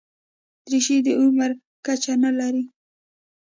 دریشي د عمر کچه نه لري.